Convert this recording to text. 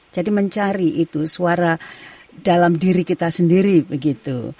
jadi mencari itu suara dalam diri kita sendiri begitu